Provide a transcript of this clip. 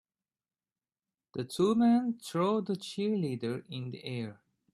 The two men throw the cheerleader in the air.